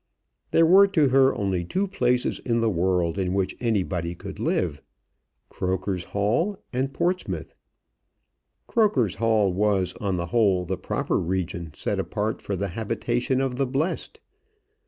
There were to her only two places in the world in which anybody could live, Croker's Hall and Portsmouth. Croker's Hall was on the whole the proper region set apart for the habitation of the blest.